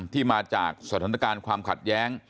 ที่มาจากสถานการณ์ความขัดแย้ง